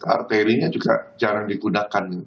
arterinya juga jarang digunakan